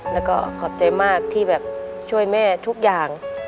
แล้วก็ขอบใจมากที่แบบช่วยแม่ทุกอย่าง